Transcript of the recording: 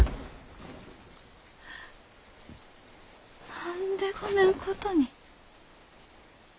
何でこねんことに。